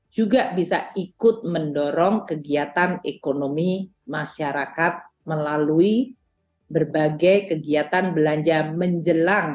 juga bisa ikut mendorong kegiatan ekonomi masyarakat melalui berbagai kegiatan belanja menjelang